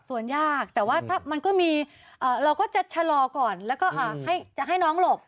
ส่วนยากแต่ว่าถ้ามันก็มีเราก็จะชะลอก่อนแล้วก็จะให้น้องหลบ